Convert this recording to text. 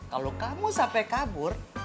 kalo kamu ga capek kabur